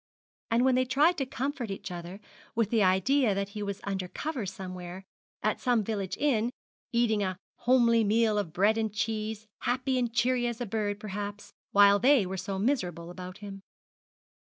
And then they tried to comfort, each other with the idea that he was under cover somewhere, at some village inn, eating a homely meal of bread and cheese, happy and cheery as a bird, perhaps, while they were so miserable about him.